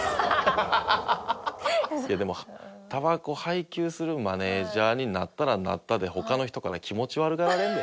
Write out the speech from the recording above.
いやでもタバコ配給するマネージャーになったらなったで他の人から気持ち悪がられるで。